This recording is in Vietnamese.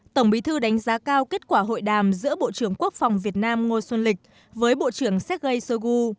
tổng bí thư đánh giá cao kết quả hội đàm giữa bộ trưởng quốc phòng việt nam ngô xuân lịch với bộ trưởng sergei shoigu